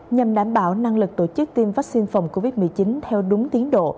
nhằm đảm bảo năng lực tổ chức tiêm vaccine phòng covid một mươi chín theo đúng tiến độ